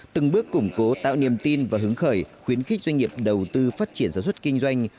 từng bước củng cố tạo niềm tin và hứng khởi khuyến khích doanh nghiệp đầu tư phát triển sản xuất kinh doanh